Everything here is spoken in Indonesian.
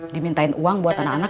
dimintain uang buat anak anak